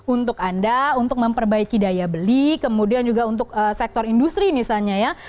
untuk anda untuk memperbaiki daya beli kemudian juga untuk sektor industri misalnya ya